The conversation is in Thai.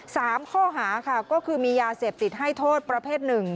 สามข้อหาค่ะก็คือมียาเสพติดให้โทษประเภทหนึ่ง